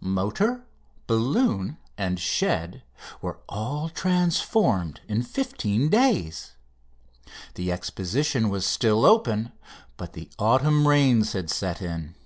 Motor, balloon, and shed were all transformed in fifteen days. The Exposition was still open, but the autumn rains had set in.